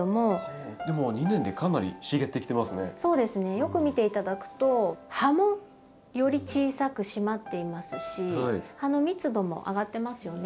よく見て頂くと葉もより小さく締まっていますし葉の密度も上がってますよね。